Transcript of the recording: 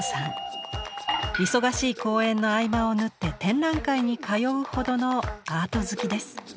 忙しい公演の合間を縫って展覧会に通うほどのアート好きです。